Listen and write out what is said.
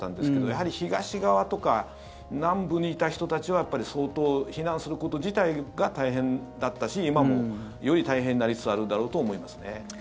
やはり東側とか南部にいた人たちは相当、避難すること自体が大変だったし今も、より大変になりつつあるんだろうと思いますね。